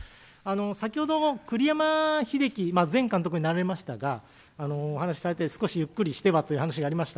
先ほど栗山英樹前監督になられましたが、お話しされて少しゆっくりしてはというお話がありました。